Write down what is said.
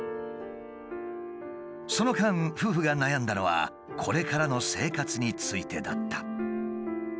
その間夫婦が悩んだのはこれからの生活についてだった。